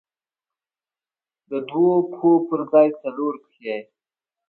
د دوو پښو پر ځای څلور پښې.